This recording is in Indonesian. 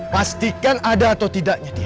pastikan ada atau tidaknya dia